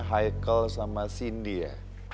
haikel sama cindy ya